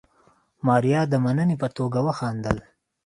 ماريا د مننې په توګه وخندل.